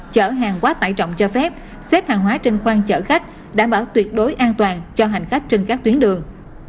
chở hàng quá tải trọng cho phép xếp hàng hóa trên khoang chở khách đảm bảo tuyệt đối an toàn cho hành khách trên các tuyến đường